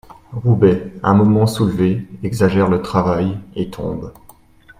Roubaix, un moment soulevé, exagère le travail et tombe.